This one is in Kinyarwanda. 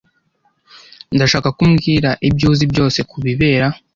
Ndashaka ko umbwira ibyo uzi byose kubibera.